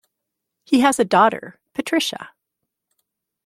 He has a daughter, Patricia.